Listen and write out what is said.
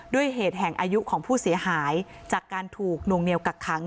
ด้วยเหตุแห่งอายุของผู้เสียหายจากการถูกนวงเหนียวกักขัง